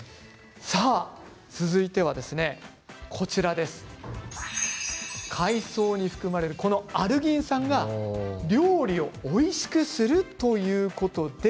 続いては海藻に含まれるアルギン酸が料理をおいしくするということです。